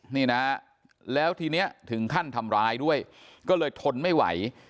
นี่นะแล้วทีนี้ถึงขั้นทำร้ายด้วยก็เลยทนไม่ไหว